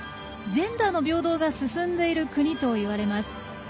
ジェンダーの平等が進んでいる国といわれています。